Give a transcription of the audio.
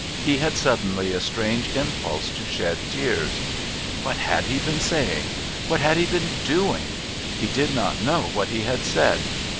He had suddenly a strange impulse to shed tears. What had he been saying? What had he been doing? He did not know what he had said.